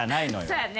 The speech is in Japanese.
そやね。